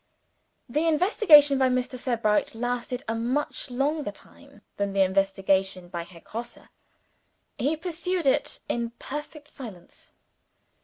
The investigation by Mr. Sebright lasted a much longer time than the investigation by Herr Grosse. He pursued it in perfect silence.